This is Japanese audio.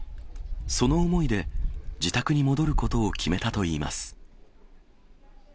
その思いで自宅に戻ることを決めたといいます。